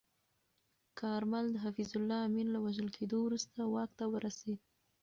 کارمل د حفیظالله امین له وژل کېدو وروسته واک ته ورسید.